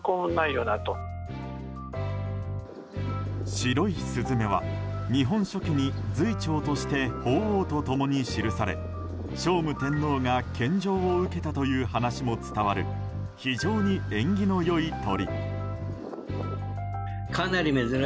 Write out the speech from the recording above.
白いスズメは日本初期に瑞鳥として鳳凰と共に記され聖武天皇が献上を受けたという話も伝わる非常に縁起の良い鳥。